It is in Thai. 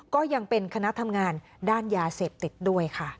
ก็ยังเป็นคณะทำงานด้านยาเสพติดด้วยค่ะ